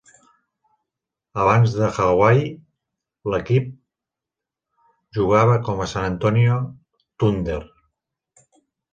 Abans de Hawai'i, l"equip jugava com a Sant Antonio Thunder.